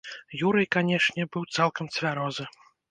Юрый, канечне, быў цалкам цвярозы.